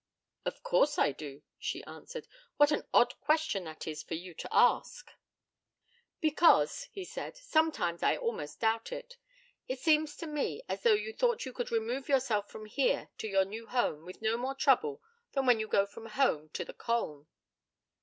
'Of course I do,' she answered: 'what an odd question that is for you to ask!' 'Because,' said he, 'sometimes I almost doubt it. It seems to me as though you thought you could remove yourself from here to your new home with no more trouble than when you go from home up to the Colne.'